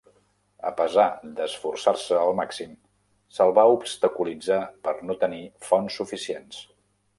A pesar d'esforçar-se al màxim, se'l va obstaculitzar per no tenir fons suficients.